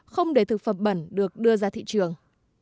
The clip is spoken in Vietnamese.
không để thực phẩm bẩn được đưa ra thị trường